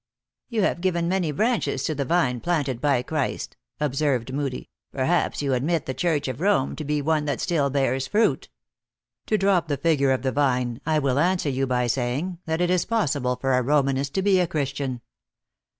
" You have given many branches to the vine planted by Christ," observed Moodie. "Perhaps you admit the Church of Rome, to be one that still bears fruit." THE ACTEESS IN HIGH LIFE. 241 " To drop the figure of the vine, I will answer you by saying, that it is possible for a Romanist to be a Christian."